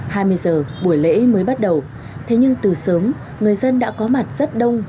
hai mươi giờ buổi lễ mới bắt đầu thế nhưng từ sớm người dân đã có mặt rất đông